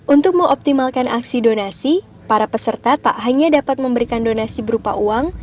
untuk mengoptimalkan aksi donasi para peserta tak hanya dapat memberikan donasi berupa uang